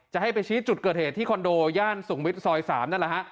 จะให้ไปชี้จุดเกิดเหตุที่คอนโดย่านสุ่งวิทย์ซอย๓